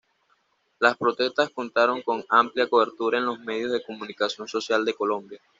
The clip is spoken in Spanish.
Las protestas contaron con amplia cobertura en los medios de comunicación social de Colombia.